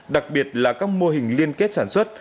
đặc biệt là các mô hình liên kết sản xuất